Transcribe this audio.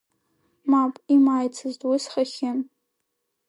Мап, имааицызт уи схахьы!